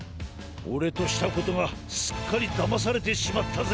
オレとしたことがすっかりだまされてしまったぜ。